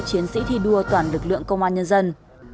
chiến sĩ thi đua toàn lực lượng công an nhân dân